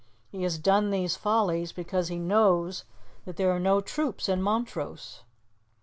He has done these follies because he knows that there are no troops in Montrose."